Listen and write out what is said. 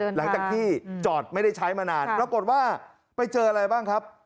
หลังจากที่จอดไม่ได้ใช้มานานปรากฏว่าไปเจออะไรบ้างครับ